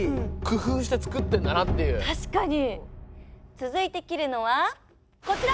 続いて切るのはこちら！